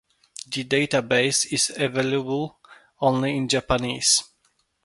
The database is available only in Japanese.